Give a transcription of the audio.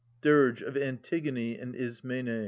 43 Dirge of Antigone and Ismene.